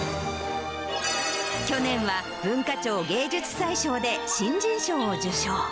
去年は文化庁芸術祭賞で新人賞を受賞。